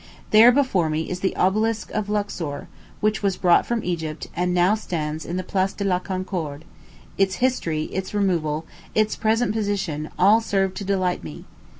There before me is the Obelisk of Luxor, which was brought from Egypt, and now stands in the Place de la Concorde, its history, its removal, its present position, all serve to delight me.